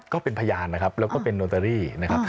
ก็เป็นพยานนะครับแล้วก็เป็นโนตเตอรี่นะครับ